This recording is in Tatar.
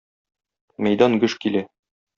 Мәйдан гөж килә.